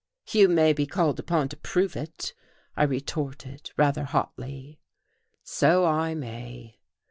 "You may be called upon to prove it," I retorted, rather hotly. "So I may."